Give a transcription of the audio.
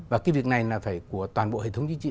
và cái việc này là phải của toàn bộ hệ thống chính trị